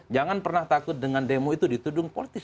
jangan pernah takut dengan demo itu ditudung politis